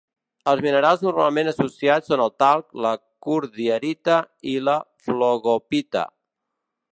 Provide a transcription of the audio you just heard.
Els minerals normalment associats són el talc, la cordierita i la flogopita.